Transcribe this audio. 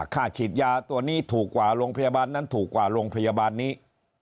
ค่าฉีดยาตัวนี้ถูกกว่าโรงพยาบาลนั้นถูกกว่าโรงพยาบาลนี้